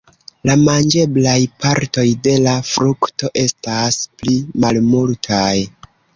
La manĝeblaj partoj de la frukto estas pli malmultaj.